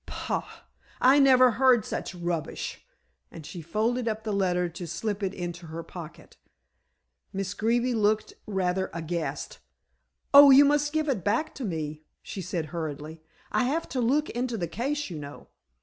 Pah! I never heard such rubbish," and she folded up the letter to slip it into her pocket. Miss Greeby looked rather aghast. "Oh, you must give it back to me," she said hurriedly. "I have to look into the case, you know."